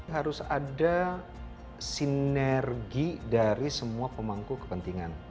harus ada sinergi dari semua pemangku kepentingan